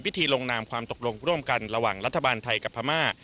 ลงนามความตกลงร่วมกันระหว่างรัฐบาลไทยกับพม่า